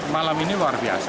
malam ini luar biasa